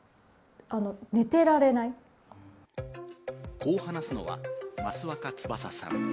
こう話すのは、益若つばささん。